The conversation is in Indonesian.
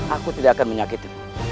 aku tidak akan menyakitimu